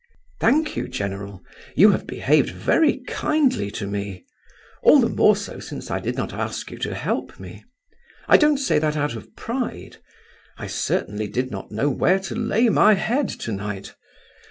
"Thank you, general; you have behaved very kindly to me; all the more so since I did not ask you to help me. I don't say that out of pride. I certainly did not know where to lay my head tonight.